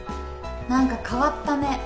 何か変わったね。